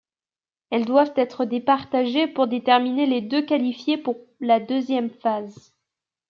Elles doivent être départagées pour déterminer les deux qualifiés pour la deuxième phase.